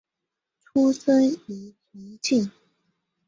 出生于重庆。